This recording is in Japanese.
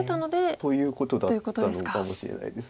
ということだったのかもしれないです。